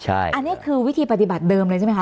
อันนี้คือวิธีปฏิบัติเดิมเลยใช่ไหมค